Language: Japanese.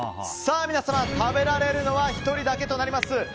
さあ皆様、食べられるのは１人だけとなります。